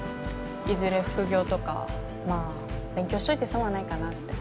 いずれ副業とかまあ勉強しといて損はないかなって。